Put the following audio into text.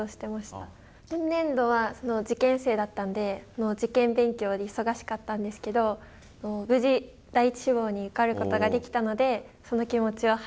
今年度は受験生だったんで受験勉強で忙しかったんですけど無事第一志望に受かることができたのでその気持ちを俳句に書きました。